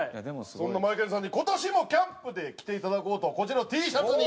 そんなマエケンさんに今年もキャンプで着ていただこうとこちらをＴシャツに。